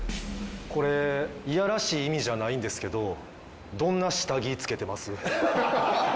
これいやらしい意味じゃないんですけどどんな下着着けてます？